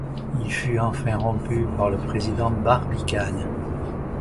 Il fut enfin rompu par le président Barbicane.